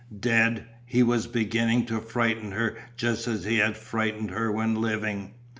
Dead, he was beginning to frighten her just as he had frightened her when living.